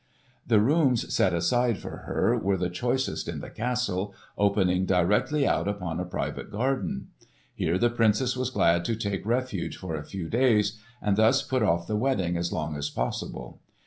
The rooms set aside for her use were the choicest in the castle, opening directly out upon a private garden. Here the Princess was glad to take refuge for a few days, and thus put off the wedding as long as possible.